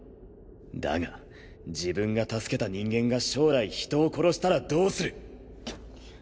だが自分が助けた人間が将来人を殺したらどうする？くっ。